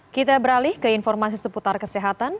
kita beralih ke informasi seputar kesehatan